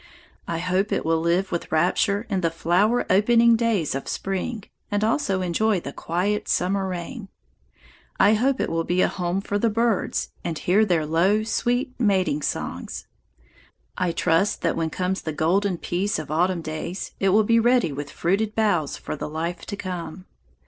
I hope it will live with rapture in the flower opening days of spring and also enjoy the quiet summer rain. I hope it will be a home for the birds and hear their low, sweet mating songs. I trust that when comes the golden peace of autumn days, it will be ready with fruited boughs for the life to come.